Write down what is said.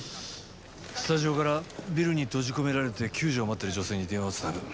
スタジオからビルに閉じ込められて救助を待ってる女性に電話をつなぐ。